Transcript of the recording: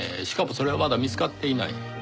しかもそれはまだ見つかっていない。